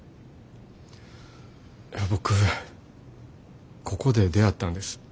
僕ここで出会ったんです。